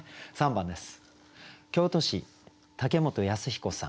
３番です。